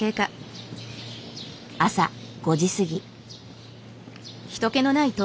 朝５時過ぎ。